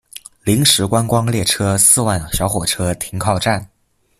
临时观光列车四万小火车停靠站。